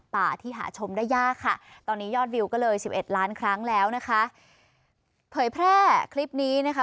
เผยแพร่คลิปนี้นะคะ